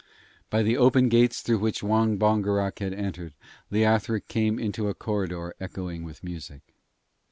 By the open gates through which Wong Bongerok had entered, Leothric came into a corridor echoing with music.